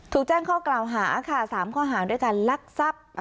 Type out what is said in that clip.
ถูกแจ้งข้อกล่าวหาค่ะ๓ข้อหาด้วยการลักทรัพย์